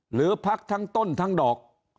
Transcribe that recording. หรือพักทั้งต้นทั้งดอก